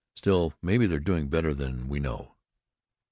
Still, maybe they're doing better than we know."